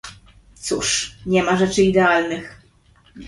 Cóż, nie ma rzeczy idealnych